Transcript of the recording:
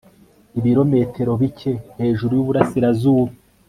ibirometero bike hejuru yuburasirazuba